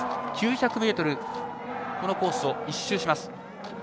このコースを１周します。